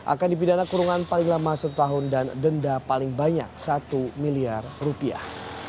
akan dipidana kurungan paling lama satu tahun dan denda paling banyak satu miliar rupiah